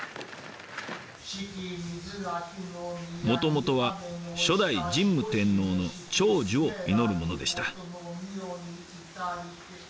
もともとは初代神武天皇の長寿を祈るものでした。